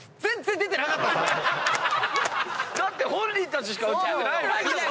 だって本人たちしか映ってないもん！